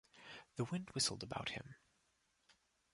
The wind whistled about him.